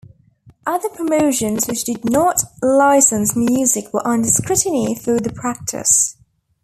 Other promotions which did not license music were under scrutiny for the practice.